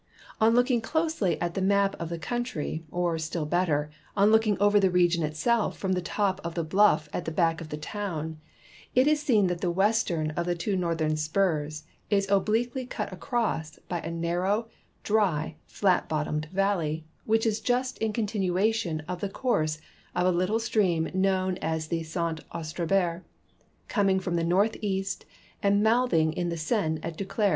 On looking closely at the map of the country or, still better, on looking over the region itself from the top of the bluff at the back of the town, it is seen that the western of the two northern spurs is obliquely cut across b_y a narrow, diy, flat hottomed valley, Avhich is just in continuation of the course of a little stream known as the Ste. Austreberte, coming from the northeast and mouthing in the Seine at Duclair.